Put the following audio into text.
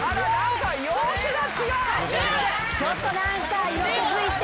ちょっと何か色気づいて。